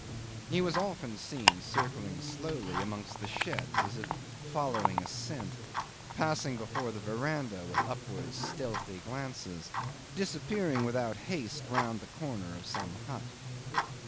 He was often seen circling slowly amongst the sheds, as if following a scent; passing before the verandah with upward stealthy glances; disappearing without haste round the corner of some hut.